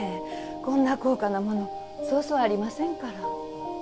こんな高価なものそうそうありませんから。